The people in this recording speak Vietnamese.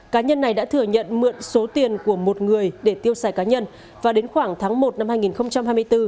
cá nhân này đã thừa nhận mượn số tiền của một người để tiêu xài cá nhân và đến khoảng tháng một năm hai nghìn hai mươi bốn